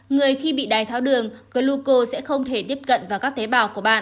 người khi bị đái tháo đường gluco sẽ không thể tiếp cận vào các tế bào